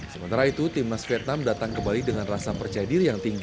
sementara itu timnas vietnam datang ke bali dengan rasa percaya diri yang tinggi